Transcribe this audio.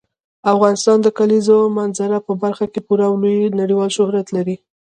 افغانستان د کلیزو منظره په برخه کې پوره او لوی نړیوال شهرت لري.